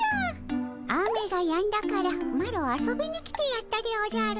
雨がやんだからマロ遊びに来てやったでおじゃる。